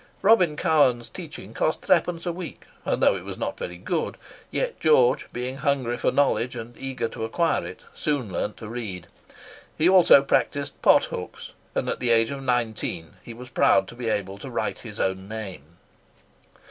Robin Cowen's teaching cost threepence a week; and though it was not very good, yet George, being hungry for knowledge and eager to acquire it, soon learnt to read. He also practised "pothooks," and at the age of nineteen he was proud to be able to write his own name.